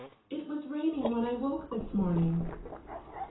"It was raining when I woke this morning."